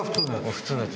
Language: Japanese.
普通のやつ。